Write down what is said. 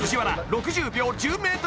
６０秒１０ｍ